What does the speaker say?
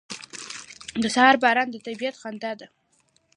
• د سهار باران د طبیعت خندا ده.